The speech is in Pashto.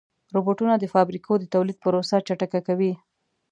روبوټونه د فابریکو د تولید پروسه چټکه کوي.